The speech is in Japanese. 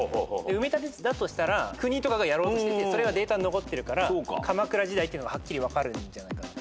埋め立て地だとしたら国とかがやろうとしててそれがデータに残ってるから鎌倉時代っていうのがはっきり分かるんじゃないかな。